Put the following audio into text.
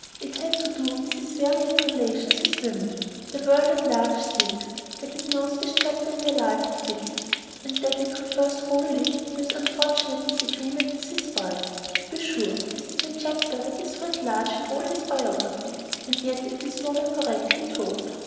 It had to do with his various relations with women. The world at large thinks that it knows this chapter in the life of Dickens, and that it refers wholly to his unfortunate disagreement with his wife. To be sure, this is a chapter that is writ large in all of his biographies, and yet it is nowhere correctly told.